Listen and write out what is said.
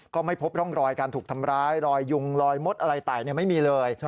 ก็ไม่พบร่องรอยการถูกทำร้ายรอยยุงรอยมดอะไรไต่ไม่มีเลย